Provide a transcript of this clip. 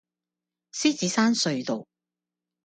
獅子山隧道